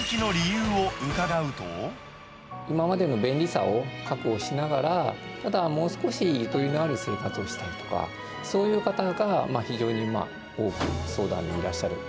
今までの便利さを確保しながら、ただ、もう少しゆとりのある生活をしたいとか、そういう方々が非常に多く相談にいらっしゃる。